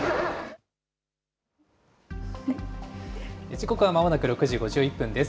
時刻はまもなく６時５１分です。